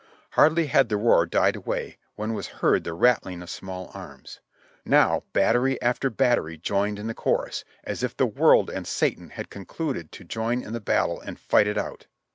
Hardly had the roar died away when was heard the rattling of small arms. Now battery after battery joined in the chorus, as if the World and Satan had concluded to join in the battle and fight it out.